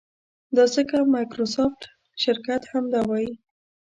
دا ځکه مایکروسافټ شرکت همدا وایي.